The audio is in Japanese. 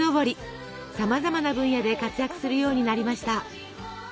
さまざまな分野で活躍するようになりました。